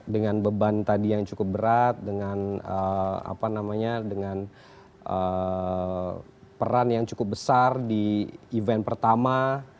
dengan beban tadi yang cukup berat dengan peran yang cukup besar di event pertama